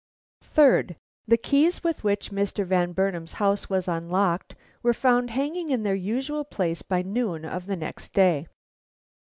"Third: "The keys with which Mr. Van Burnam's house was unlocked were found hanging in their usual place by noon of the next day.